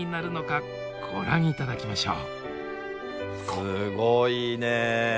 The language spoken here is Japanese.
すごいねえ。